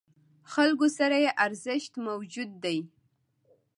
خلکو سره یې ارزښت موجود دی.